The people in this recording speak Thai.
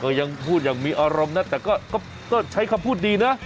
ยังพูดอย่างมีอารมณ์นะแต่ก็ใช้คำพูดดีนะ